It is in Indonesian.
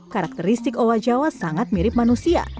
karakteristik owa jawa sangat mirip manusia